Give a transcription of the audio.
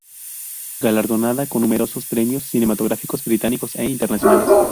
Galardonada con numerosos premios cinematográficos británicos e internacionales.